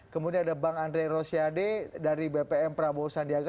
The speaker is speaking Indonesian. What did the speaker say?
kemudian ada bang andre rosiade dari bpm prabowo sandiaga